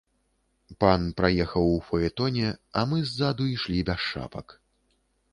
Пан праехаў у фаэтоне, а мы ззаду ішлі без шапак.